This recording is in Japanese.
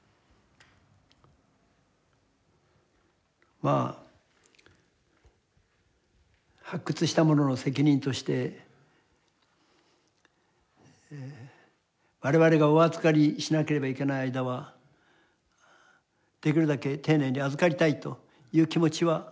まあ発掘した者の責任として我々がお預かりしなければいけない間はできるだけ丁寧に預かりたいという気持ちはあるんですね。